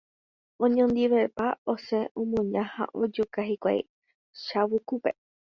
oñondivepa osẽ omuña ha ojuka hikuái Chavukúpe.